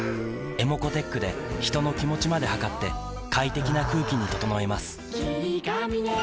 ｅｍｏｃｏーｔｅｃｈで人の気持ちまで測って快適な空気に整えます